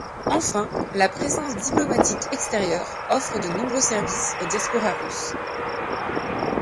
Enfin, la présence diplomatique extérieure offre de nombreux services aux diasporas russes.